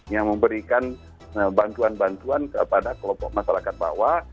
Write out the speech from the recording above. yang memberikan bantuan bantuan kepada kelompok masyarakat bawah